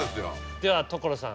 では所さん